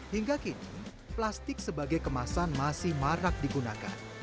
hingga kini plastik sebagai kemasan masih marak digunakan